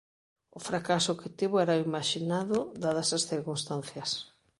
O fracaso que tivo era o imaxinado dadas as circunstancias.